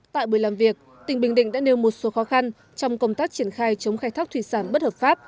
tại buổi làm việc tỉnh bình định đã nêu một số khó khăn trong công tác triển khai chống khai thác thủy sản bất hợp pháp